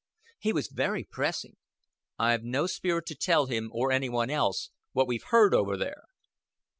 "He was very pressing." "I've no spirit to tell him or any one else what we've heard over there."